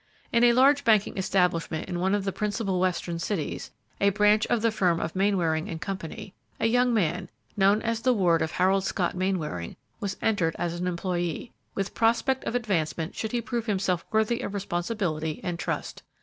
In a large banking establishment in one of the principal western cities, a branch of the firm of Mainwaring & Co., a young man, known as the ward of Harold Scott Mainwaring, was entered as an employee, with prospect of advancement should he prove himself worthy of responsibility and trust.